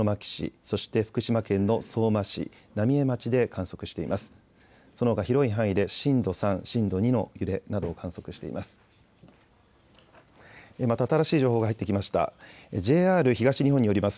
そのほか広い範囲で震度３、震度２の揺れなどを観測しています。